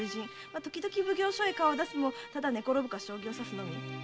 ときどき奉行所へ顔を出すもただ寝ころぶか将棋を指すのみ。